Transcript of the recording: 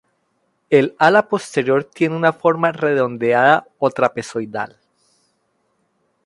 El ala posterior tiene una forma redondeada o trapezoidal.